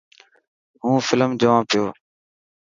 هون فلم جوان پيو.